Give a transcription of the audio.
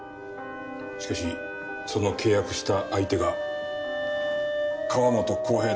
しかしその契約した相手が川本浩平だったんだ。